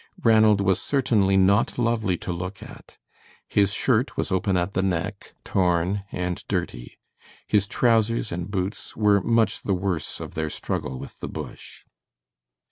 Ranald was certainly not lovely to look at. His shirt was open at the neck, torn, and dirty. His trousers and boots were much the worse of their struggle with the bush.